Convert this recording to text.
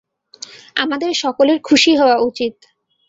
আমাদের সকলের খুশি হওয়া উচিত।